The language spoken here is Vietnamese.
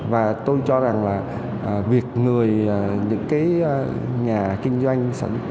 và tôi cho rằng là việc người những cái nhà kinh doanh